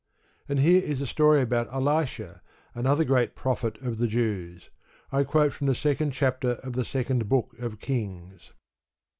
And here is a story about Elisha, another great prophet of the Jews. I quote from the second chapter of the Second Book of Kings.